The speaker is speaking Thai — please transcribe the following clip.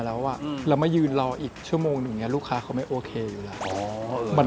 ยังอยู่อยู่ใช่มั้ยทำงานอยู่กับเราใช่มั้ย